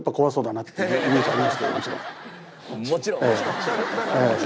「もちろん」。